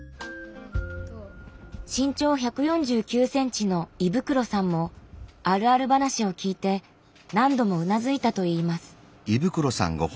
身長１４９ｃｍの衣袋さんもあるある話を聞いて何度もうなずいたといいます。